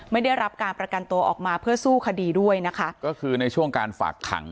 ไม่ได้รับการประกันตัวออกมาเพื่อสู้คดีด้วยนะคะก็คือในช่วงการฝากขัง